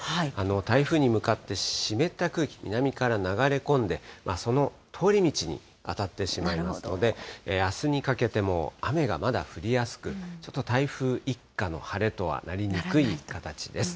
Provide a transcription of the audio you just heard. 台風に向かって湿った空気、南から流れ込んで、その通り道に当たってしまいますので、あすにかけても雨がまだ降りやすく、ちょっと台風一過の晴れとはなりにくい形です。